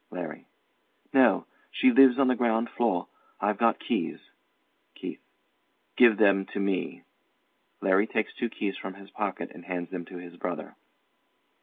LARRY. No. She lives on the ground floor. I've got keys. KEITH. Give them to me. LARRY takes two keys from his pocket and hands them to his brother.